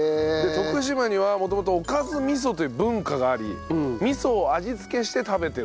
徳島には元々おかず味噌という文化があり味噌を味つけして食べてると。